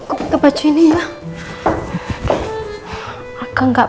nah ngasah ga left across suatu omongan